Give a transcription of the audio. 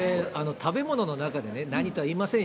食べ物の中でね、それは何か言いませんよ。